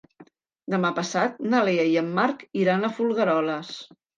Demà passat na Lea i en Marc iran a Folgueroles.